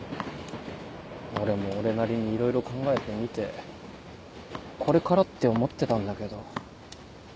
俺も俺なりにいろいろ考えてみてこれからって思ってたんだけど。